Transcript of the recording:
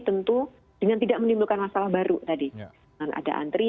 tentu dengan tidak menimbulkan masalah baru tadi